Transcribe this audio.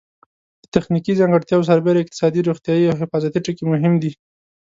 د تخنیکي ځانګړتیاوو سربېره اقتصادي، روغتیایي او حفاظتي ټکي مهم دي.